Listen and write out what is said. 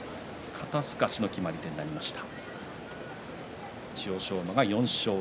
肩すかしの決まり手になりました。